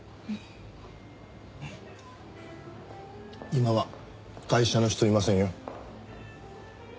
今は会社の人いませんよ。